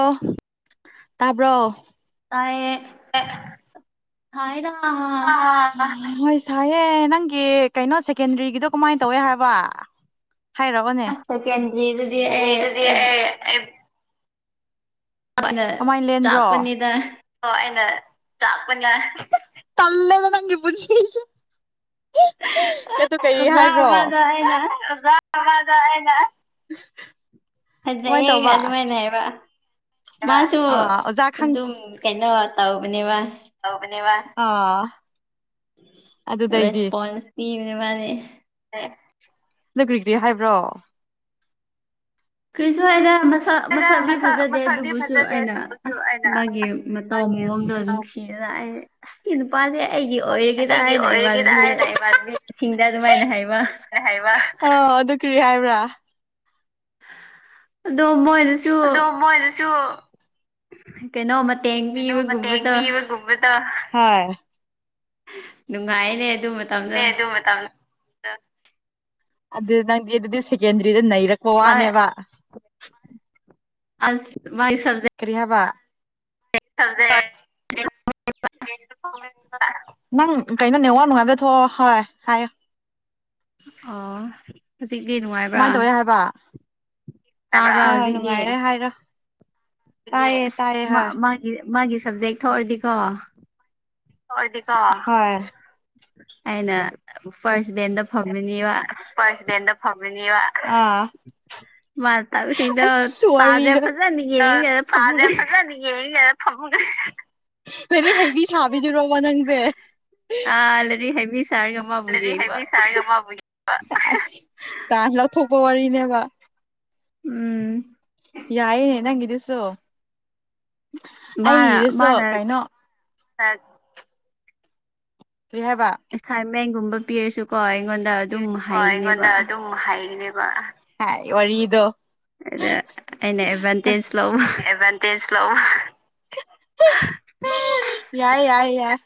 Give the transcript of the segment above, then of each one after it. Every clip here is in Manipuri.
ꯑꯣ ꯇꯥꯕ꯭ꯔꯣ ꯍꯥꯏꯗ ꯍꯣꯏ ꯁꯥꯏꯌꯦ ꯅꯪꯒꯤ ꯀꯩꯅꯣ ꯁꯦꯀꯦꯟꯗꯔꯤꯒꯤꯗꯣ ꯀꯃꯥꯏꯅ ꯇꯧꯋꯦ ꯍꯥꯏꯕ ꯍꯥꯏꯔꯛꯑꯣꯅꯦ ꯑꯁ ꯁꯦꯀꯦꯟꯗ꯭ꯔꯤꯗꯗꯤ ꯑꯩ ꯑꯩ ꯑꯩꯅ ꯀꯃꯥꯏꯅ ꯂꯦꯟꯕ꯭ꯔꯣ ꯆꯥꯛꯄꯅꯤꯗ ꯑꯩꯅ ꯆꯥꯛꯄꯟꯉꯥꯏ ꯇꯜꯂ‌ꯦꯗ ꯅꯪꯒꯤ ꯄꯨꯟꯁꯤꯁ‌ꯦ [unintelligible] ꯀꯠꯇꯣ ꯀꯔꯤ ꯑꯣꯖꯥ ꯍꯥꯏꯕ꯭ꯔꯣ ꯑꯃꯗ ꯑꯩꯅ [unintelligible] ꯑꯩꯅ ꯀꯃꯥꯏꯅ ꯐꯖꯩꯍꯒ ꯇꯧꯕ ꯑꯗꯨꯃꯥꯏꯅ ꯍꯥꯏꯕ ꯃꯥꯁꯨ ꯑꯥ ꯑꯣꯖꯥ ꯑꯗꯨꯝ ꯀꯩꯅꯣ ꯇꯧꯕꯅꯦ ꯃꯥ ꯇꯧꯕꯅꯤ ꯃꯥ ꯑꯥ ꯑꯗꯨꯗꯩꯗꯤ ꯔꯦꯁꯄꯣꯟꯁ ꯄꯤꯕꯅꯦ ꯃꯥꯗꯤ ꯅꯪ ꯀꯔꯤꯒꯤ ꯍꯥꯏꯕ꯭ꯔꯣ ꯀ꯭ꯔꯤꯁꯨ ꯍꯥꯏꯗ ꯑꯃ ꯃꯁꯥ ꯃꯁꯛꯗꯤ ꯃꯁꯛ ꯐꯖꯗꯦ ꯃꯁꯛꯇꯤ ꯑꯗꯨꯕꯨꯁꯨ ꯐꯖꯗꯦ ꯑꯩꯅ ꯑꯗꯨꯕꯨꯁꯨ ꯑꯁ ꯑꯩꯅ ꯃꯥꯒꯤ ꯑꯁ ꯃꯇꯥꯎ ꯃꯥꯒꯤ ꯃꯑꯣꯡꯗ ꯃꯇꯥꯎ ꯅꯨꯡꯁꯤꯔ ꯑꯩ ꯑꯁ ꯁꯤ ꯅꯨꯄꯥꯁꯦ ꯑꯩꯒꯤ ꯑꯣꯏꯔꯒꯦꯗ ꯑꯩꯒꯤ ꯍꯥꯏꯅ ꯑꯣꯏꯔꯒꯦꯔꯥ ꯏꯃꯥꯟꯅꯕꯤ ꯍꯥꯏꯅ ꯏꯃꯥꯟꯅꯕꯤꯅ ꯁꯤꯡꯗ ꯑꯗꯨꯃꯥꯏꯅ ꯍꯥꯏ ꯍꯥꯏꯕ ꯑꯣ ꯑꯗꯨ ꯀꯔꯤ ꯍꯥꯏꯕ꯭ꯔꯥ ꯑꯗꯨ ꯃ‌ꯣꯏ ꯑꯗꯣ ꯃꯣꯏꯗꯨꯁꯨ ꯀꯩꯅꯣ ꯃ ꯀꯩꯅꯣꯃ ꯇ‌ꯦꯡꯕꯤꯌꯨꯒꯨꯝꯕꯗ‌ꯣ ꯅꯨꯡꯉꯥꯏꯅꯦ ꯑꯗꯨ ꯃꯇꯝꯗꯣ ꯑꯥ ꯑꯗꯨ ꯅꯪꯗꯤ ꯑꯗꯨꯗꯤ ꯁꯦꯀꯦꯟꯗ꯭ꯔꯤꯗ ꯅꯩꯔꯛꯄ ꯃꯥ ꯋꯥꯅꯦꯕ ꯑꯜꯁ ꯀꯔꯤ ꯍꯥꯕ [inaudible] ꯅꯪ ꯀꯩꯅ‌ꯣ ꯅꯦꯠꯋꯥꯛ ꯅꯨꯡꯉꯥꯏꯕꯗ ꯊꯣꯛꯑꯥ ꯍꯥ ꯍꯥꯏꯌ‌ꯣ [unintelligible] ꯑꯥ ꯍꯧꯖꯤꯛꯇꯤ ꯅꯨꯡꯉꯥꯏꯕ꯭ꯔꯥ ꯕꯔꯥ ꯇꯥꯕ꯭ꯔꯥ ꯍꯣ ꯍꯣꯏ ꯅꯨꯡꯉꯥꯏꯔꯦ ꯍꯧꯖꯤꯛꯇꯤ ꯍꯥꯏꯔꯣ ꯇꯥꯏꯌꯦ ꯑꯁ ꯇꯥꯏꯌꯦ ꯃꯥ ꯍꯣꯏ ꯃꯥꯒꯤ ꯃꯥꯒꯤ ꯁꯞꯖꯦꯛ ꯊꯣꯛꯔꯗꯤꯀꯣ ꯊ‌ꯣꯛꯑꯗꯤꯀ‌ꯣ ꯍ‌ꯣꯏ ꯑꯩꯅ ꯐꯥꯔꯁ ꯕꯦꯟꯗ ꯐꯝꯃꯅꯦꯕ ꯐꯝꯔꯅꯤꯕ ꯑꯥ ꯃꯥ ꯇꯥꯛꯄꯁꯤꯡꯗꯣ ꯑꯁ ꯇꯥꯗ꯭ꯔꯦ ꯋꯥꯔꯤꯗ ꯐꯖꯅ ꯇꯥ ꯌꯦꯡꯉꯒ ꯇꯥꯍꯖ ꯐꯝꯃꯒ ꯐꯖꯅ [unintelligible] [inaudible] [inaudible] ꯂꯩꯔꯤ ꯍꯩꯕꯤ ꯁꯥꯕꯤꯗꯨꯔꯣꯕ ꯅꯪꯁꯦ꯫ ꯑꯥ ꯂꯥꯏꯔꯤꯛ ꯍꯩꯕꯤ ꯁꯥꯔꯒ ꯃꯥꯕꯨ ꯌꯦꯡꯕ [inaudible] ꯆꯥꯟꯁ ꯂꯧꯊꯣꯛꯄ ꯋꯥꯔꯤꯅꯦꯕ꯫ ꯎꯝ꯫ ꯌꯥꯏꯅꯦ ꯅꯪꯒꯤꯗꯨꯁꯨ ꯑꯩ ꯃꯥꯅ ꯏꯔꯁꯨ ꯃꯥꯅ ꯀꯩꯅꯣ [unintelligible] ꯔꯤ ꯍꯥꯏꯕ ꯃꯦꯟꯒꯨꯝꯕ ꯄꯤꯔꯁꯨ ꯀꯣꯏ ꯔꯁꯨꯀꯣ ꯑꯩꯉꯣꯟꯗ ꯑꯗꯨꯝ ꯍꯥꯏꯒꯅꯦꯕ ꯑꯥꯏ ꯋꯥꯔꯤꯗꯣ꯫ [inaudible] ꯑꯗ ꯑꯩꯅ ꯑꯦꯗꯚꯥꯟꯇꯦꯖ ꯂꯧꯕ ꯌꯥꯏꯏ ꯌꯥꯏ ꯌꯥꯏ꯫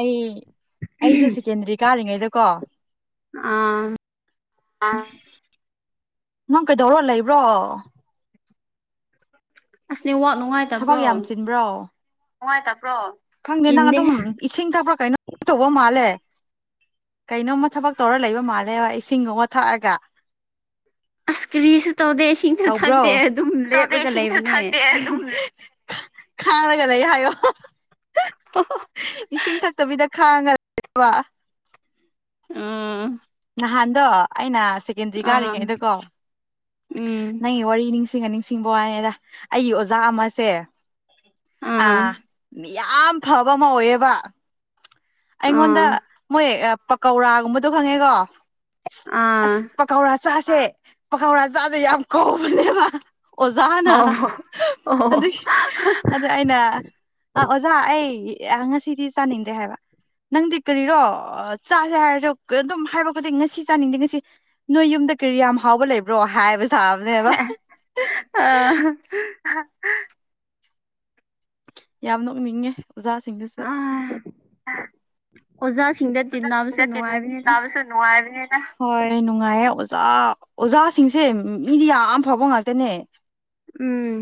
ꯑꯩ ꯑꯩꯁꯨ ꯁꯦꯀꯦꯟꯗꯔꯤ ꯀꯥꯔꯤꯉꯩꯗꯀꯣ ꯑꯥ ꯑ ꯅꯪ ꯀꯩꯗꯧꯔꯣ ꯂꯩꯕ꯭ꯔꯣ꯫ ꯑꯁ ꯅꯦꯠꯋꯥꯛ ꯊꯕꯛ ꯅꯨꯡꯉꯥꯏꯇꯕ꯭ꯔꯣ ꯌꯥꯝ ꯆꯤꯟꯕ꯭ꯔꯣ꯫ ꯅꯨꯉꯥꯏꯇꯕ꯭ꯔꯣ ꯈꯪꯗꯦ ꯅꯪ ꯆꯤꯟꯗꯦ ꯑꯗꯨꯝ ꯏꯁꯤꯡ ꯊꯛꯄ꯭ꯔꯥ ꯀꯩꯅꯣ ꯇꯧꯕ ꯃꯥꯜꯂꯦ꯫ ꯀꯩꯅꯣꯝꯃ ꯊꯕꯛ ꯇꯧꯔ ꯂꯩꯕ ꯃꯥꯜꯂꯦꯕ ꯏꯁꯤꯡꯒꯨꯝꯕ ꯊꯛꯑꯒ꯫ ꯑꯁ ꯀꯔꯤꯁꯨ ꯇꯧꯗꯦ ꯏꯁꯤꯡꯁꯨ ꯇꯧꯕ꯭ꯔꯣ ꯊꯛꯇꯦ ꯑꯗꯨꯝ ꯇꯧꯗꯦ ꯂꯦꯞꯔꯒ ꯏꯁꯤꯡꯁꯨ ꯊꯛꯇꯦ ꯂꯩꯕꯅꯦ ꯑꯗꯨꯝ ꯈꯥꯡꯂꯒ ꯂꯩ ꯍꯥꯏꯌꯣ ꯏꯁꯤꯡ ꯊꯛꯇꯕꯤꯗ ꯈꯥꯡꯉ [inaudible] ꯋꯥ ꯎꯝ ꯅꯍꯥꯟꯗꯣ ꯑꯩꯅ ꯁꯦꯀꯦꯟꯗ꯭ꯔꯤ ꯑꯥ ꯀꯥꯔꯤꯉꯩꯗꯀꯣ ꯎꯝ ꯅꯪꯒꯤ ꯋꯥꯔꯤ ꯅꯤꯡ ꯁꯤꯡꯑ ꯅꯤꯡꯁꯤꯡꯕ ꯋꯥꯅꯦꯗ ꯑꯩꯒꯤ ꯑꯣꯖꯥ ꯑꯃꯁꯦ ꯑꯥ ꯌꯥꯝ ꯐꯕ ꯑꯃ ꯑꯣꯏꯌꯦꯕ꯫ ꯑꯥ ꯑꯩꯉꯣꯟꯗ ꯃꯣꯏ ꯄꯀꯧꯔꯥꯒꯨꯝꯕꯗꯣ ꯈꯪꯉꯦꯀꯣ ꯑꯥ꯫ ꯑꯁ ꯄꯀꯧꯔꯥ ꯆꯥꯁꯦ ꯄꯥꯀꯧꯔꯥ ꯆꯥꯁꯦ ꯌꯥꯝ ꯀꯧꯕꯅꯦꯕ ꯑꯣꯖꯥꯅ꯫ ꯑꯣ ꯑꯣ ꯑꯗꯨ ꯑꯗ ꯑꯩꯅ ꯑꯣꯖꯥ ꯑꯩ ꯑꯦ ꯉꯁꯤꯗꯤ ꯆꯥꯅꯤꯡꯗꯔꯦ ꯍꯥꯏꯕ꯫ ꯅꯪꯗꯤ ꯀꯔꯤꯔꯣ ꯆꯥꯁꯦ ꯍꯥꯏꯔꯁꯨ ꯑꯗꯨꯝ ꯍꯥꯏꯕꯈꯨꯗꯤꯡ ꯉꯁꯤ ꯆꯥꯅꯤꯡꯗꯦ ꯉꯁꯤ ꯌꯨꯝꯗ ꯀꯔꯤ ꯌꯥꯝ ꯍꯥꯎꯕ ꯂꯩꯕ꯭ꯔꯣ ꯍꯥꯏꯕ꯫ ꯁꯥꯕꯅꯦꯕ ꯑꯦ ꯑ꯫ ꯌꯥꯝ ꯅꯣꯛꯅꯤꯡꯉꯦ ꯑꯣꯖꯥꯁꯤꯡꯗꯨꯁꯨ꯫ ꯑꯣꯖꯥꯁꯤꯡꯗ ꯇꯤꯟꯅꯕꯁꯨ ꯑꫭꯖꯥꯁꯤꯡꯗ ꯇꯤꯟ ꯅꯨꯡꯉꯥꯏꯕꯅꯤꯅ ꯅꯥꯕꯁꯨ ꯅꯨꯡꯉꯥꯏꯕꯅꯦ꯫ ꯍꯣꯏ ꯅꯨꯡꯉꯥꯏꯌꯦ ꯑꯣꯖꯥ ꯑꯣꯖꯥꯁꯤꯡꯁꯦ ꯃꯤꯗꯤ ꯌꯥꯝ ꯐꯕ ꯉꯥꯛꯇꯅꯦ꯫ ꯎꯝ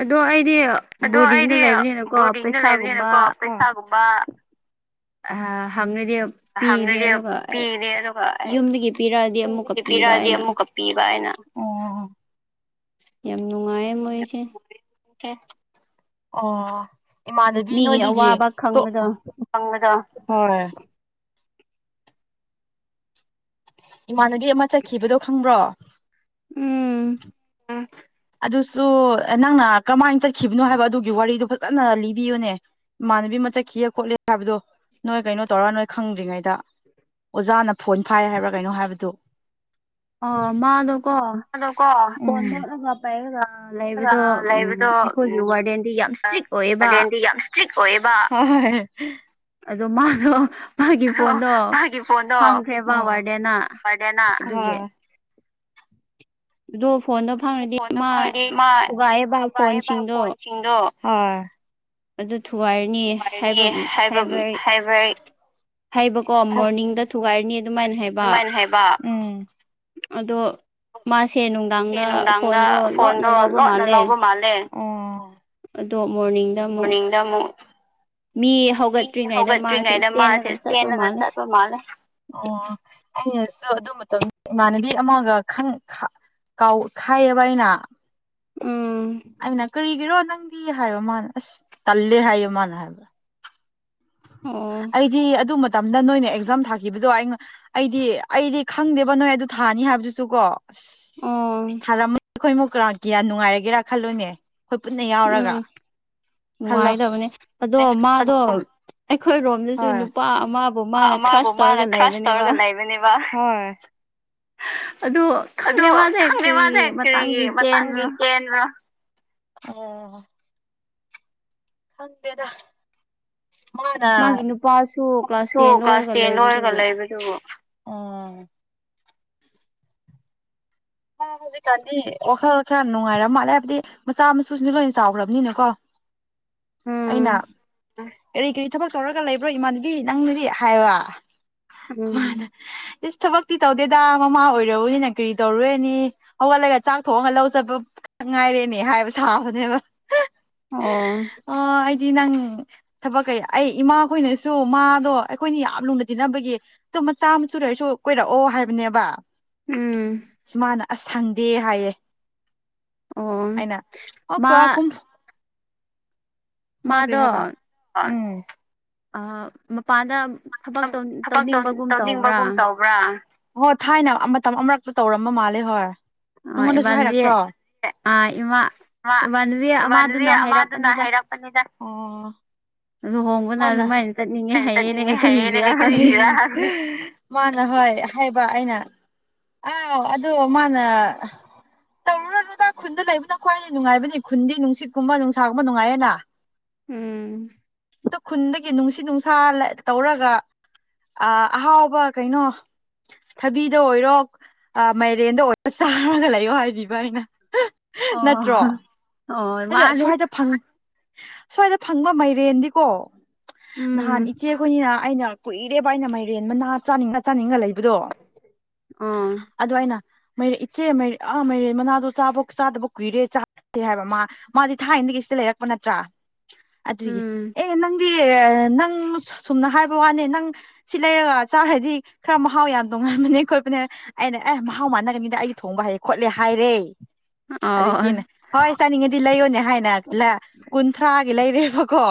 ꯑꯗꯣ ꯑꯩ ꯗꯤ ꯑꯗꯣ ꯕꯣꯔꯗꯤꯡꯗ ꯑꯩꯗꯤ ꯂꯩꯕꯅꯤꯅꯀꯣ ꯕꯣꯔꯗꯤꯡꯗ ꯄꯩꯁꯥꯒꯨꯝꯕ ꯂꯩꯕꯅꯤꯅꯀꯣ ꯄꯩꯁꯥꯒꯨꯝꯕ ꯑ ꯍꯪꯑꯦ ꯍꯪꯅꯗꯤ ꯄꯤꯒꯅꯤ ꯑꯗꯨꯒ ꯑꯩ ꯌꯨꯝꯗꯒꯤ ꯄꯤꯔꯛꯑꯗꯤ ꯑꯃꯨꯛꯀ ꯌꯨꯝꯗꯒꯤ ꯄꯤꯕ ꯄꯤꯔꯛꯑꯗꯤ ꯍꯥꯏꯅ ꯑꯃꯨꯛꯀ ꯄꯤꯕ꯫ ꯇꯥꯏꯅ ꯑꯣ ꯌꯥꯝ ꯅꯨꯡꯉꯥꯏꯌꯦ ꯃꯣꯏꯁꯦ꯫ ꯀꯦ ꯑꫭ꯫ ꯏꯃꯥꯟꯅꯕꯤ ꯃꯤꯒꯤ ꯅꯣꯏꯗꯒꯤ ꯑꯋꯥꯕ ꯇꫭꯛ ꯈꯪꯕꯗꯣ ꯍꯪꯒꯗꯕꯁꯨ ꯍꫭꯏ ꯏꯃꯥꯟꯅꯕꯤ ꯑꯃ ꯆꯠꯈꯤꯕꯗꯣ ꯈꯪꯕ꯭ꯔꯣ꯫ ꯎꯝ꯫ [inaudible] ꯑꯗꯨꯁꯨ ꯅꯪꯅ ꯀꯔꯝꯃꯥꯏꯅ ꯆꯠꯈꯤꯕꯅꯣ ꯍꯥꯏꯕ ꯑꯗꯨꯒꯤ ꯋꯥꯔꯤꯗꯨ ꯐꯖꯅ ꯂꯤꯕꯤꯌꯨꯅꯦ ꯏꯃꯥꯟꯅ ꯕꯤ ꯃ ꯆꯠꯈꯤꯑꯦ ꯈꯣꯠꯂꯦ ꯍꯥꯏꯕꯗꯣ ꯅꯣꯏ ꯀꯩꯅꯣ ꯇꯧꯔ ꯅꯣꯏ ꯈꯪꯗ꯭ꯔꯤꯉꯩꯗ꯫ ꯑꯣꯖꯥꯅ ꯐꯣꯟ ꯐꯥꯏ ꯍꯥꯏꯕ꯭ꯔꯥ ꯀꯩꯅꯣ ꯍꯥꯏꯕꯗꯨ꯫ ꯑꫭ ꯃꯥꯗꯣꯀꯣ ꯑꯗꯣꯀꯣ ꯀꯣꯟ ꯅꯣꯠꯂꯒ ꯄꯥꯏꯔꯒ ꯂꯩꯕꯗꯣ ꯎꯝ ꯂꯩꯕꯗꯣ ꯑꯩꯈꯣꯏꯒꯤ ꯎꯝ ꯋꯥꯔꯗꯦꯟꯗꯤ ꯌꯥꯝ ꯁꯇ꯭ꯔꯤꯛ ꯑꯣꯏꯌꯦꯕ꯫ ꯀꯕ ꯑꯗꯣ ꯃꯥꯗꯣ ꯃꯥꯒꯤ ꯐꯣꯟꯗꯣ ꯃꯥꯒꯤ ꯐꯣꯟꯗꯣ ꯐꯪꯈ꯭ꯔꯦꯕ ꯋꯥꯔꯗꯦꯅ ꯄꯔꯗꯦꯅ ꯑꯗꯨꯒꯤ ꯗꯣ ꯐꯣꯟꯗꯣ ꯐꯪꯔꯗꯤ ꯐꯣꯟꯗꯣ ꯃꯥ ꯈꯪꯉꯗꯤ ꯃꯥ ꯊꯨꯒꯥꯏꯑꯕ ꯊꯨꯒꯥꯏꯑꯦꯕ ꯐꯣꯟꯁꯤꯡꯗꯣ ꯐꯣꯟꯁꯤꯡꯗꯣ ꯊꯔꯤꯅꯤ ꯅꯤ ꯍꯥꯏꯕ ꯍꯥꯏꯕ ꯍꯥꯏꯕ ꯍꯥꯏꯕꯀꯣ ꯃꯣꯔꯅꯤꯡꯗ ꯊꯨꯒꯥꯏꯔꯅꯤ ꯑꯗꯨꯃꯥꯏꯅ ꯍꯥꯏꯕ ꯎꯝ ꯑꯗꯣ ꯃꯥꯁ ꯁꯦ ꯁꯦ ꯅꯨꯡꯗꯥꯡꯗ ꯅꯨꯡꯗꯥꯡꯗ ꯐꯣꯟꯗꯣ ꯂꯣꯟꯅ ꯐꯣꯟꯗꯣ ꯂꯧꯕ ꯂꯣꯠꯅ ꯃꯥꯜꯂꯦ ꯂꯧꯕ ꯃꯥꯜꯂꯦ ꯇꯣꯞ ꯃꯣꯔꯅꯤꯡꯗ ꯑꯃꯨꯛ ꯃꯣꯔꯅꯤꯡꯗ ꯑꯃꯨꯛ ꯃꯤ ꯍꯧꯒꯠꯇ꯭ꯔꯤꯉꯩꯗ ꯃꯥꯁꯦ ꯍꯧꯒꯠꯇ꯭ꯔꯤꯉꯩꯗ ꯃꯥꯁꯦ ꯆꯦꯜꯂꯒ ꯆꯠꯄ ꯆꯦꯟꯅꯒ ꯃꯥꯜꯂꯦ ꯆꯠꯄ ꯃꯥꯜꯂꯦ ꯑꯩꯅꯁꯨ ꯑꯗꯨ ꯃꯇꯝꯗ ꯏꯃꯥꯟꯅꯕꯤ ꯑꯃꯒ ꯀꯥꯎ ꯈꯥꯏꯕꯅ ꯎꯝ ꯑꯩꯅ ꯀꯔꯤꯒꯤꯔꯣ ꯅꯪꯗꯤ ꯍꯥꯏꯕ ꯃꯥꯅ ꯑꯁ ꯇꯜꯂꯦ ꯍꯥꯏꯌ ꯃꯥꯅ ꯍꯥꯏꯕ ꯑꯣ ꯑꯩꯗꯤ ꯑꯗꯨꯃ ꯃꯇꯝꯗ ꯅꯣꯏꯅ ꯑꯦꯛꯖꯥꯝ ꯊꯥꯈꯤꯕꯗꯣ ꯑꯩ ꯑꯩꯗꯤ ꯑꯩꯗꯤ ꯈꯪꯗꯦꯕ ꯅꯣꯏ ꯑꯗꯨ ꯊꯥꯅꯤ ꯍꯥꯏꯕꯗꯨꯁꯨ ꯀꯣ ꯑꯁ ꯑꯣ ꯊꯥꯔꯝꯃꯅꯤ ꯑꯩꯈꯣꯏ ꯃꯨꯛ ꯀ ꯀꯌꯥ ꯅꯨꯡꯉꯥꯏꯔꯒꯦꯔꯥ ꯈꯜꯂꯨꯅꯦ ꯑꯩꯈꯣꯏ ꯄꯨꯟꯅ ꯌꯥꯎꯔꯒ ꯈꯜꯂꯣ ꯅꯨꯡꯉꯥꯏꯇꯕꯅꯦ ꯑꯗꯣ ꯃꯥꯗꯣ ꯑꯩꯈꯣꯏꯔꯣꯝꯗꯁꯨ ꯅꯨꯄꯥ ꯑꯃꯕꯨ ꯍ ꯃꯥꯅ ꯃꯥꯕꯨ ꯀ꯭ꯔꯁ ꯃꯥꯅ ꯇꯧꯔꯒ ꯈ꯭ꯔꯁ ꯂꯩꯕꯅꯦꯕ ꯇꯧꯔꯒ ꯂꯩꯕꯅꯦꯕ ꯎꯝ [unintelligible] ꯑꯗꯨ ꯑꯗꯨ ꯈꯪꯗꯦ ꯃꯥꯁꯦ ꯈꯪꯗꯦ ꯀꯔꯤ ꯋꯥꯗꯦ ꯀꯔꯤ ꯃꯇꯥꯡꯒꯤ ꯃꯇꯥꯡꯒꯤ ꯆꯦꯟꯕ꯭ꯔꯣ ꯆꯦꯟꯕ꯭ꯔꯣ ꯑꯣ ꯈꯪꯄꯦꯗ ꯃꯥꯒꯤ ꯅꯨꯄꯥꯁꯨ ꯀ꯭ꯂꯥꯁ ꯇꯦꯟ ꯀ꯭ꯂꯥꯁ ꯂꯣꯏꯔꯒ ꯇꯦꯟ ꯂꯣꯏꯔꯒ ꯂꯩꯕꯗꯨꯕꯨ ꯂꯩꯕꯗꯨ ꯎ ꯍꯧꯖꯤꯛꯀꯥꯟꯗꯤ ꯋꯥꯈꯜ ꯈꯔ ꯅꯨꯡꯉꯥꯏꯔ ꯃꯥꯜꯂꯦ ꯍꯥꯏꯕꯗꯤ ꯃꯆꯥ ꯃꯁꯨꯁꯤꯅ ꯂꯣꯏꯅ ꯆꯥꯎꯈ꯭ꯔꯕꯅꯤꯅꯀꯣ ꯑꯩꯅ ꯎꯝ ꯀꯔꯤ ꯀꯔꯤ ꯊꯕꯛ ꯇꯧꯔꯒ ꯂꯩꯕ꯭ꯔꯣ ꯏꯃꯥꯟꯅꯕꯤ ꯅꯪꯅꯗꯤ ꯍꯥꯏꯕ ꯃꯥ ꯎꯝ ꯏꯁꯁ ꯊꯕꯛꯇꯤ ꯇꯧꯗꯦꯗ ꯃꯃꯥ ꯑꯣꯏꯔꯔꯕꯅꯦꯅ ꯀꯔꯤ ꯇꯧꯔꯨꯦ ꯅꯤ ꯍꯧꯒꯠꯂꯒ ꯆꯥꯛꯊꯣꯛꯑꯒ ꯂꯧꯖꯕ ꯉꯥꯏꯔꯦꯅꯦ ꯍꯥꯏꯕ ꯁꯥꯕꯅꯦꯕ ꯑꯣ ꯗꯤ ꯅꯪ ꯊꯕꯛ ꯀꯩ ꯑꯩ ꯏꯃꯥꯈꯣꯏꯅꯁꯨ ꯃꯥꯗꯣ ꯑꯩꯈꯣꯏꯅ ꯌꯥꯝ ꯂꯨꯅ ꯇꯤꯟꯅꯕꯒꯤ ꯃꯆꯥ ꯃꯆꯨ ꯂꯩꯔꯁꯨ ꯀꯣꯏꯔꯛꯑꯣ ꯍꯥꯏꯕꯅꯦꯕ ꯎꯝ ꯁ ꯃꯥꯅ ꯑꯁ ꯁꯪꯗꯦ ꯍꯥꯏꯌꯦ ꯑꯣ ꯑꯅ ꯑꯣ ꯃꯥ ꯀ ꯀꯨꯝ ꯃꯥꯒ꯭ꯔꯦ ꯍꯥꯏꯕ ꯎꯝ ꯑ ꯃꯄꯥꯟꯗ ꯊꯕꯛ ꯊꯕꯛ ꯇꯧꯅꯤꯡꯕꯒꯨꯝ ꯇꯧꯕ꯭ꯔꯥ ꯇꯧꯅꯤꯡꯕꯒꯨꯝ ꯇꯧꯕ꯭ꯔꯥ ꯍꯣꯏ ꯊꯥꯏꯅ ꯃꯇꯝ ꯑꯃꯨꯔꯛꯇ ꯇꯧꯔꯝꯕ ꯃꯥꯜꯂꯦ ꯍꯣꯏ ꯑ ꯅꯪꯉꯣꯟꯗꯁꯨ ꯏꯕꯥꯗꯤ ꯑ ꯏꯃꯥ ꯏꯃꯥꯟꯅꯕꯤ ꯋꯥꯟ ꯋꯤ ꯑꯃꯗꯨꯅ ꯑꯃꯗꯨꯅ ꯍꯥꯏꯔꯛꯄꯅꯤꯗ ꯍꯥꯏꯔꯛꯄꯅꯤꯗ ꯎꯝ ꯂꯨꯍꯣꯡꯕꯅ ꯃꯅ ꯑꯗꯨꯃꯥꯏꯅ ꯆꯠꯅꯤꯡꯉꯦ ꯀꯅꯦ ꯍꯥꯏꯌꯦꯅꯦ ꯀꯔꯤꯒꯤꯔꯥ ꯍ ꯀꯔ ꯍꯪꯉꯦ ꯃꯅ ꯍꯣꯏ ꯍꯥꯏꯕ ꯑꯩꯅ ꯑꯥꯎ ꯑꯗꯨ ꯃꯥꯅ ꯇꯧꯔꯨꯔꯔꯨꯗ ꯈꯨꯟꯗ ꯂꯩꯕꯅ ꯈ꯭ꯋꯥꯏꯗꯒꯤ ꯅꯨꯡꯉꯥꯏꯕꯅꯤ ꯈꯨꯟꯗꯤ ꯅꯨꯡꯁꯤꯠꯀꯨꯝꯕ ꯅꯨꯡꯁꯥꯒꯨꯝꯕ ꯅꯨꯡꯉꯥꯏꯌꯦꯅ ꯎꯝ ꯈꯨꯟꯗꯒꯤ ꯅꯨꯡꯁꯤ ꯅꯨꯡꯁꯥ ꯇꯧꯔꯒ ꯑ ꯑꯍꯥꯎꯕ ꯀꯩꯅꯣ ꯊꯕꯤꯗ ꯑꯣꯏꯔꯣ ꯃꯥꯏꯔꯦꯟꯗ ꯑꯣꯏꯔꯣ ꯆꯥꯔꯒ ꯂꯩꯌꯣ ꯍꯥꯏꯕꯤꯕ ꯑꯩꯅ ꯅꯠꯇ꯭ꯔꯣ ꯑ ꯑꯗ ꯁ꯭ꯋꯥꯏꯗ ꯁ꯭ꯋꯥꯏꯗ ꯐꯪꯕ ꯃꯥꯏꯔꯦꯟꯗꯤꯀꯣ ꯅꯍꯥꯟ ꯎꯝ ꯏꯆꯦ ꯑꯩꯈꯣꯏꯅꯤꯅ ꯑꯩꯅ ꯀꯨꯏꯔꯦꯕ ꯑꯩꯅ ꯃꯥꯏꯔꯦꯟꯕ ꯅꯍꯥ ꯆꯥꯅꯤꯡꯉ ꯆꯥꯅꯤꯡꯉ ꯂꯩꯕ ꯗꯣ ꯑꯣ ꯑꯗꯨ ꯑꯥꯏꯅ ꯃꯔ ꯏꯆꯦ ꯃꯔ ꯑꯥ ꯃꯩꯔ ꯃꯅꯥꯗ ꯆꯥꯕ ꯆꯥꯗꯕ ꯀꯨꯏꯔꯦ ꯆꯥ ꯍꯥꯏꯕ ꯃꯥ ꯃꯥꯗꯤ ꯊꯥꯏꯅꯗꯒꯤꯁꯤꯇ ꯂꯩꯔꯛꯄ ꯅꯠꯇ꯭ꯔꯥ ꯑꯗꯨꯒꯤ ꯎꯝ ꯑꯦ ꯅꯪꯗꯤ ꯅꯪ ꯁꯨꯝꯅ ꯍꯥꯏꯕ ꯋꯥꯅꯤ ꯅꯪ ꯁꯤ ꯂꯩꯔꯒ ꯆꯥꯈ꯭ꯔꯗꯤ ꯈꯔ ꯃꯍꯥꯎ ꯌꯥꯝ ꯇꯣꯡꯉꯜ ꯅꯦ ꯈꯣꯠꯄꯅꯦ ꯑꯩꯅ ꯑꯦ ꯃꯍꯥꯎ ꯃꯥꯟꯅꯒꯅꯤꯗ ꯑꯩꯗꯤ ꯊꯣꯡꯕ ꯍꯩꯌꯦ ꯈꯣꯠꯂꯦ ꯍꯥꯏꯔꯦ ꯑꯣ ꯑꯗꯁꯤꯅꯦ ꯍꯣꯏꯁ ꯂꯩꯌꯣꯅꯦ ꯍꯥꯏꯅ ꯀꯨꯟꯊ꯭ꯔꯥꯒꯤ ꯂꯩꯔꯦꯕꯀꯣ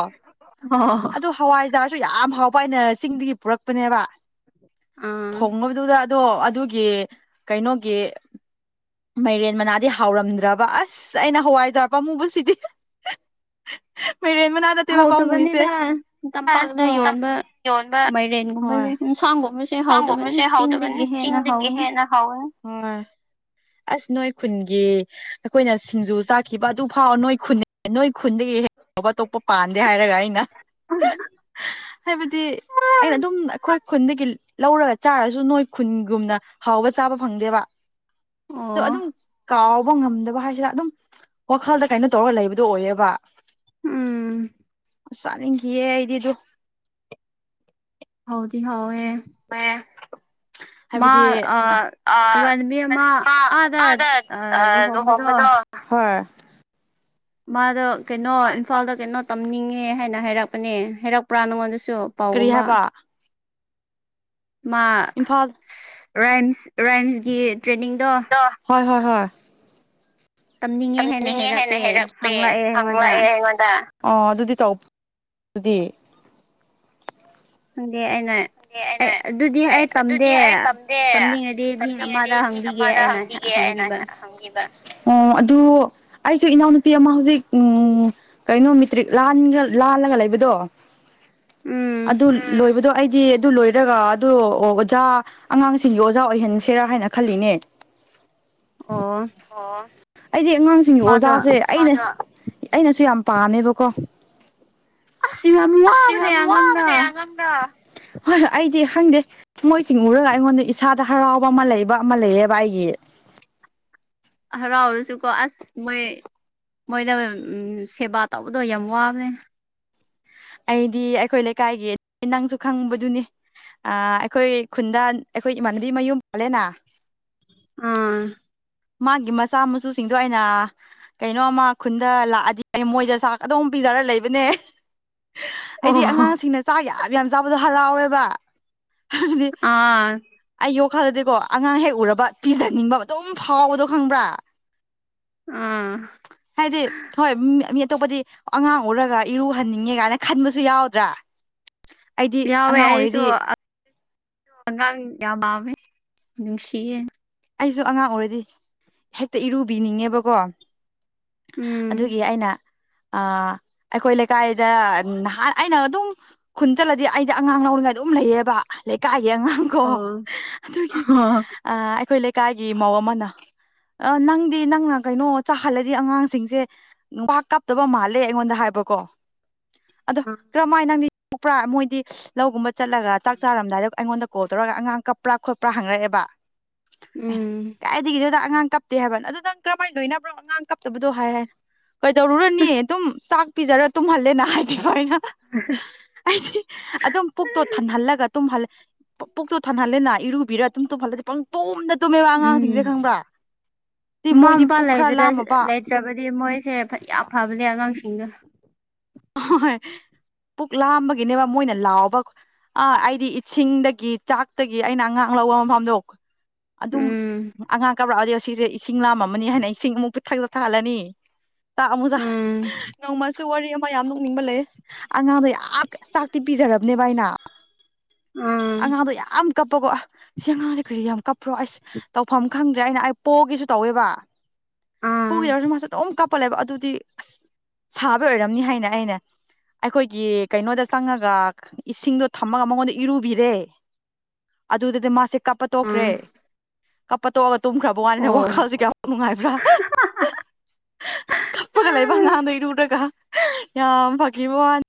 ꯑꯣ ꯑꯗꯨ ꯍꯋꯥꯏ ꯆꯤꯔꯁꯨ ꯌꯥꯝ ꯍꯥꯎꯕ ꯑꯩꯅ ꯆꯤꯡꯗꯒꯤ ꯄꯨꯔꯛꯄꯅꯦꯕ ꯎꯝ ꯊꯣꯡꯉꯕꯗꯨꯗ ꯑꯗꯣ ꯑꯗꯨꯒꯤ ꯀꯩꯅꯣꯒꯤ ꯃꯩꯔꯦꯟ ꯃꯅꯥꯗꯤ ꯍꯥꯎꯔꯝꯗ꯭ꯔꯕ ꯑꯁ ꯑꯩꯅ ꯍꯋꯥꯏ ꯊꯔꯄ ꯑꯃꯨꯕꯁꯤꯗꯤ [unintelligible] ꯍꯧꯗꯕꯅꯤꯅ ꯇꯝꯄꯥꯛꯅ ꯍꯣꯏ ꯌꯣꯟꯕ ꯃꯩꯔꯦꯟꯒꯨꯝꯕꯁ ꯁꯒꯨꯝ ꯈꯥꯡꯕ ꯑꯃꯁꯁꯦ ꯍꯧꯗꯕꯅꯤ ꯆꯤꯡꯗꯒꯤ ꯍꯦꯟꯅ ꯍꯧꯥꯎꯋꯤ ꯍꯣꯏ ꯑꯁ ꯅꯣꯏ ꯈꯨꯟꯒꯤ ꯑꯩꯈꯣꯏꯅ ꯁꯤꯡꯖꯨ ꯆꯥꯈꯤꯕ ꯑꯗꯨ ꯐꯥꯎ ꯅꯣꯏ ꯈꯨꯟ ꯅꯣꯏ ꯈꯨꯟꯗꯒꯤ ꯍꯦꯛ ꯐꯥꯎꯕ ꯑꯇꯣꯞꯄ ꯄꯥꯟꯗꯦ ꯍꯥꯏꯔꯒ ꯑꯩꯅ ꯍꯥꯏꯕꯗꯤ ꯑꯩꯅ ꯑꯗꯨꯝ ꯑꯩꯈꯣꯏ ꯈꯨꯟꯗꯒꯤ ꯂꯧꯔꯒ ꯆꯥꯔꯁꯨ ꯅꯣꯏ ꯈꯨꯟꯒꯨꯝꯅ ꯍꯥꯎꯕ ꯆꯥꯕ ꯐꯪꯗꯦꯕ ꯑꯗꯣ ꯑꯣ ꯑꯗꯨꯝ ꯀꯥꯎꯕ ꯉꯝꯗꯕ ꯍꯥꯏꯁꯤꯔꯥ ꯑꯗꯨꯝ ꯋꯥꯈꯜꯗ ꯀꯩꯅꯣ ꯇꯧꯔꯒ ꯂꯩꯕ ꯑꯗꯨ ꯑꯣꯏꯌꯦꯕ ꯎꯝ ꯑ ꯆꯥꯅꯤꯡꯈꯤꯌꯦꯦ ꯑꯩꯗꯤꯗꯨ ꯍꯗꯤ ꯍꯥꯎ ꯑꯦ ꯍ ꯍꯥꯏꯕꯗꯤ ꯑ ꯏꯃꯥꯟꯅꯕꯤ ꯑꯃ ꯑꯥꯗ ꯑ ꯂꯨꯍꯣꯡꯕꯗꯣ ꯂꯨꯍꯣꯡꯒꯗꯣ ꯍꯣꯏ ꯃꯥꯗ ꯀꯩꯅꯣ ꯑꯣ ꯏꯝꯐꯥꯜ ꯏꯝꯐꯥꯜꯗ ꯀꯩꯅꯣ ꯇꯝꯅꯤꯡꯉꯦ ꯍꯥꯏꯅ ꯍꯥꯏꯔꯛꯄꯅꯦ ꯍꯥꯏꯔꯛꯄ꯭ꯔꯥ ꯅꯪꯉꯣꯟꯗ ꯆꯣ ꯀꯔꯤ ꯄꯥꯎꯒꯨꯝꯕ ꯍꯥꯏꯕ ꯃꯥ ꯏꯝꯐꯥꯜ ꯔꯥꯏꯝꯁ ꯔꯥꯏꯝꯁꯒꯤ ꯇ꯭ꯔꯦꯟꯅꯤꯡꯗꯣ ꯊꯥ ꯍꯥꯏꯅ ꯇꯝꯅꯤꯡꯉꯦ ꯍꯦꯟꯅ ꯍꯥꯏꯔꯛꯄꯦ ꯍꯥꯏꯩꯔꯛꯄꯦ ꯍꯪꯂꯛꯑꯦ ꯑꯩꯉꯣꯟꯗ ꯍꯪꯂꯛꯑꯦ ꯑꯩꯉꯣꯟꯗ ꯑ ꯑꯗꯨꯗꯤ ꯇꯧꯕ ꯑꯗꯨꯗꯤ ꯑꯗꯨꯗ ꯑꯩ ꯑꯩꯅ ꯑꯗꯨꯗꯤ ꯑꯩ ꯇꯝꯗꯦ ꯑꯗꯨꯗꯤ ꯑꯩ ꯇꯝꯗꯦ ꯇꯝꯅꯤꯡꯉꯗꯤ ꯃꯤ ꯇꯝꯅꯤꯡꯉꯗꯤ ꯑꯃꯗ ꯃꯤ ꯍꯪꯕꯤꯒꯦ ꯑꯃꯗ ꯑꯩꯅ ꯍꯪꯕꯤꯕ ꯑꯣ ꯑꯗꯨ ꯍꯧꯖꯤꯛ ꯏꯅꯥꯎꯅꯨꯄꯤ ꯑꯃ ꯍꯧꯖꯤꯛ ꯎ ꯀꯩꯅꯣ ꯃꯦꯇ꯭ꯔꯤꯛ ꯂꯥꯜꯂꯒ ꯂꯩꯕꯗꯣ ꯎꯝ ꯑꯗꯨ ꯂꯣꯏꯕꯗꯣ ꯑꯩꯗꯤ ꯑꯗꯨ ꯂꯣꯏꯔꯒ ꯑꯗꯨ ꯑꯣꯖꯥ ꯑꯉꯥꯡꯁꯤꯡꯒꯤ ꯑꯣꯖꯥ ꯑꯣꯏꯍꯟꯁꯦꯔꯥ ꯍꯥꯏꯅ ꯈꯜꯂꯤꯅꯦ ꯑꯣ ꯑꯣ ꯑꯩꯗꯤ ꯑꯉꯥꯡꯁꯤꯡꯒꯤ ꯃꯥꯗꯣ ꯑꯣꯖꯥꯁꯦ ꯑꯩꯅ ꯑꯩꯅꯁꯨ ꯌꯥꯝ ꯄꯥꯅꯦꯕꯀꯣ ꯑꯁ ꯌꯥꯝ ꯑꯁꯤ ꯐ ꯋꯥꯕꯅꯦ ꯑꯉꯥꯡꯗꯣ ꯋꯥꯕꯅꯦꯉꯥꯡꯗ ꯍꯣꯏ ꯍꯣꯏ ꯑꯩꯗꯤ ꯈꯪꯗꯦ ꯃꯣꯏꯁꯤꯡ ꯎꯔꯒ ꯑꯩꯉꯣꯟꯗ ꯏꯁꯥꯗ ꯍꯔꯥꯎꯕ ꯑꯃ ꯂꯩꯕ ꯑꯃ ꯂꯩꯌꯦꯕ ꯑꯩꯒꯤ [unintelligible] ꯔꯥꯎꯔꯁꯨ ꯀꯣ ꯑꯁ ꯃꯣꯏ ꯃꯣꯏꯗ ꯁꯦꯕꯥ ꯇꯧꯕꯗꯣ ꯌꯥꯝ ꯋꯥꯕꯅꯦ ꯑꯩꯗꯤ ꯑꯩꯈꯣꯏ ꯂꯩꯀꯥꯏꯒꯤ ꯅꯪꯁꯨ ꯈꯪꯕꯗꯨꯅꯤ ꯑ ꯑꯩꯈꯣꯏ ꯈꯨꯟꯗꯥ ꯑꯩꯈꯣꯏ ꯏꯃꯥꯟꯅꯕꯤ ꯃꯌꯨꯝ ꯄꯥꯜꯂꯦꯅ ꯑꯥ ꯃꯥꯒꯤ ꯃꯆꯥ ꯃꯁꯨꯁꯤꯡꯗꯣ ꯑꯩꯅ ꯀꯩꯅꯣꯃ ꯈꯨꯟꯗ ꯂꯥꯛꯑꯗꯤ ꯃꯣꯏꯗ ꯆꯥꯛ ꯑꯗꯨꯝ ꯄꯤ ꯆꯥꯔ ꯂꯩꯕꯅꯦ ꯍꯣ ꯑꯩꯗꯤ ꯍꯣ ꯑꯉꯥꯡꯁꯤꯡꯅ ꯆꯥꯛ ꯌꯥꯝ ꯌꯥꯝ ꯌꯥꯝ ꯆꯥꯕꯗꯣ ꯍꯔꯥꯎꯋꯦꯕ ꯍꯥꯏꯕꯗꯤ ꯑꯥ ꯑꯩ ꯋꯥꯈꯜꯗꯗꯤꯀꯣ ꯑꯉꯥꯡ ꯍꯦꯛ ꯎꯔꯕ ꯄꯤꯖꯅꯤꯡꯕ ꯑꯗꯨꯝ ꯐꯥꯎꯕꯗꯣ ꯈꯪꯕ꯭ꯔꯥ ꯑꯥ ꯍꯥꯏꯗꯤ ꯍꯣꯏ ꯑꯇꯣꯞꯄꯗꯤ ꯑꯉꯥꯡ ꯎꯔꯒ ꯏꯔꯨꯍꯟꯅꯤꯡꯉꯦ ꯀꯥꯏꯅ ꯈꯟꯕꯁꯨ ꯌꯥꯎꯗ꯭ꯔꯥ ꯑꯩꯗꯤ ꯌꯥꯎꯋꯦ ꯑꯉꯥꯡ ꯑꯩꯁꯨ ꯑꯣꯏꯔꯗꯤ ꯑꯉꯥꯡ ꯌꯥꯝ ꯌꯥꯝꯃꯦ ꯅꯨꯡꯁꯤ ꯑꯩꯁꯨ ꯑꯉꯥꯡ ꯑꯣꯏꯔꯗꯤ ꯍꯦꯛꯇ ꯏꯔꯨꯕꯤꯅꯤꯡꯉꯦꯕꯀꯣ ꯎꯝ ꯑꯗꯨꯒꯤ ꯑꯩꯅ ꯑ ꯑꯩꯈꯣꯏ ꯂꯩꯀꯥꯏꯗ ꯅꯍꯥꯟ ꯑꯩꯅ ꯑꯗꯨꯝ ꯈꯨꯟ ꯆꯠꯂꯗꯤ ꯑꯩꯗꯤ ꯑꯉꯥꯡ ꯂꯧꯔꯤꯉꯥꯏꯗ ꯑꯗꯨꯝ ꯂꯩꯌꯦꯕ ꯂꯩ ꯀꯥꯒꯤ ꯑꯉꯥꯡ ꯀꯣ ꯑꯣ ꯑꯗꯨꯒꯤ ꯑꯩꯈꯣꯏ ꯂꯩꯀꯥꯏꯒꯤ ꯏ ꯃꯧ ꯑꯃꯅ ꯑ ꯅꯪꯗꯤ ꯅꯪꯅ ꯀꯩꯅꯣ ꯆꯥꯍꯜꯂꯗꯤ ꯑꯉꯥꯡꯁꯤꯡꯁꯦ ꯄꯥꯛ ꯀꯥꯞꯇꯕ ꯃꯥꯜꯂꯦ ꯑꯩꯉꯣꯟꯗ ꯍꯥꯏꯕ ꯏ ꯀꯣ ꯑꯗꯣ ꯀꯔꯝꯍꯥꯏꯅ ꯅꯪꯗꯤ ꯊꯣꯀꯛꯄ꯭ꯔꯥ ꯃꯣꯏꯗꯤ ꯂꯧꯒꯨꯝꯕ ꯆꯠꯂꯒ ꯆꯥꯛ ꯆꯥꯔꯝꯗꯥꯏꯗ ꯑꯩꯉꯣꯟꯗ ꯀꯣꯜ ꯇꯧꯔꯒ ꯑꯉꯥꯡ ꯀꯞꯄ꯭ꯔꯥ ꯈꯣꯠꯄ꯭ꯔꯥ ꯍꯪꯉꯛꯑꯦꯕ ꯎꯝ ꯀꯥꯏꯗꯒꯤꯗꯗ ꯑꯉꯥꯡ ꯀꯞꯇꯦ ꯍꯥꯏꯕꯅ ꯑꯗꯨꯗꯪ ꯀꯔꯝꯍꯥꯏꯅ ꯂꯣꯏꯅꯕ꯭ꯔꯣ ꯑꯉꯥꯡ ꯀꯞꯇꯕꯗꯣ ꯍꯥꯏ ꯍꯥꯏ ꯀꯩꯗꯧꯔꯨꯔꯅꯤ ꯑꯗꯨꯝ ꯆꯥꯛ ꯄꯤꯖꯔꯣ ꯇꯨꯝꯍꯜꯂꯦꯅ ꯍꯥꯏꯕꯤꯌꯨ ꯑꯩꯗꯤ ꯑꯗꯨꯝ ꯄꯨꯛꯇꯣ ꯊꯟꯍꯜꯂꯒ ꯇꯨꯝꯍꯜꯂꯦ ꯄꯨꯛꯇꯣ ꯊꯥꯟꯅꯍꯜꯂꯦꯅ ꯏꯔꯨꯕꯤꯔ ꯇꯨꯝ ꯇꯣꯍꯜꯂꯗꯤ ꯄꯪꯇꯣꯝꯗ ꯎꯝ ꯑꯉꯥꯡꯁꯤꯡꯁꯦ ꯈꯪꯕ꯭ꯔꯥ ꯁꯤ ꯃꯃꯥ ꯃꯣꯏꯗꯤ ꯃꯄꯥ ꯄꯨꯛ ꯈꯔ ꯂꯥꯝꯃꯕ ꯂꯩꯇ꯭ꯔꯕꯗꯤ ꯃꯣꯏꯁꯦ ꯐꯅꯌꯥꯝ ꯐꯕꯅꯦ ꯑꯉꯥꯡꯁꯤꯡꯗꯣ ꯍꯣꯏ ꯄꯨꯛ ꯂꯥꯝꯕꯒꯤꯅꯦꯕ ꯃꯣꯏꯅ ꯂꯥꯎꯕ ꯑꯥ ꯑꯩꯗꯤ ꯏꯁꯤꯡꯗꯒꯤ ꯆꯥꯛꯇꯒꯤ ꯑꯩꯅ ꯑꯉꯥꯡ ꯂꯧꯕ ꯃꯐꯝꯗꯣ ꯑꯗꯨꯝ ꯎꯝ ꯑꯉꯥꯡ ꯀꯥꯞꯂꯛꯑꯗꯤ ꯁꯤꯁꯦ ꯏꯁꯤꯡ ꯂꯥꯝ ꯑꯃꯅꯤꯅ ꯍꯥꯏꯅ ꯏꯁꯤꯡ ꯑꯃꯨꯛ ꯄꯤꯛꯊꯛ ꯆꯠ ꯊꯛꯍꯜꯂꯅꯤ ꯆꯥꯛ ꯑꯃꯨꯛ ꯎꯝ ꯅꯣꯡꯃ ꯋꯥꯔꯤ ꯑꯃ ꯌꯥꯝ ꯅꯣꯛꯅꯤꯡꯕ ꯂꯩ ꯑꯉꯥꯡꯗꯣ ꯌꯥꯝ ꯆꯥꯛꯇꯤ ꯄꯤꯖꯔꯕꯅꯦꯕ ꯑꯩꯅ ꯎꯝ ꯑꯉꯥꯡꯗꯣ ꯌꯥꯝ ꯀꯞꯄꯒꯣ ꯑꯁꯤ ꯑꯉꯥꯡꯁꯦ ꯀꯔꯤꯔ ꯌꯥꯝ ꯀꯞꯄ꯭ꯔꯣ ꯑꯩꯁ ꯇꯧꯐꯝ ꯈꯪꯗ꯭ꯔꯦ ꯑꯩꯅ ꯑꯩ ꯄꯣꯛꯒꯦꯁꯨ ꯇꯧꯋꯦꯕ ꯎꯝ ꯄꯨꯒꯦꯗꯧꯔꯁꯨ ꯃꯥꯁꯦ ꯑꯗꯨꯝ ꯀꯞꯄ ꯂꯩꯕ ꯑꯗꯨꯗꯤ ꯑꯁꯤ ꯁꯥꯕ ꯑꯣꯏꯔꯝꯅꯤ ꯍꯥꯏꯅ ꯑꯩꯅ ꯑꯩꯈꯣꯏꯒꯤ ꯀꯩꯅꯣꯗ ꯆꯪꯉꯒ ꯏꯁꯤꯡꯗꯣ ꯊꯝꯃꯒ ꯃꯉꯣꯟꯗ ꯏꯔꯨꯕꯤꯔꯦ ꯑꯗꯨꯗꯗꯤ ꯃꯥꯁꯦ ꯀꯞꯄ ꯇꯣꯛꯈ꯭ꯔꯦ ꯎꯝ ꯀꯞꯄ ꯇꯣꯛꯑꯒ ꯇꯨꯝꯈ꯭ꯔꯕ ꯋꯥꯅꯤꯗ ꯑꯣ ꯋꯥꯈꯜꯁꯦ ꯀꯌꯥ ꯅꯨꯡꯉꯥꯏꯕ꯭ꯔꯥ ꯀꯞꯄꯒ ꯂꯩꯕ ꯉꯥꯡꯗꯣ ꯏꯔꯨꯔꯒ ꯌꯥꯝ ꯐꯈꯤꯕꯩ ꯋꯥꯅꯦ